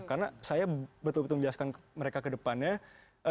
karena saya betul betul menjelaskan mereka ke depannya